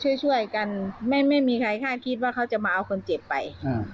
ช่วยกันไม่มีใครคาดคิดว่าเขาจะมาเอาคนเจ็บไป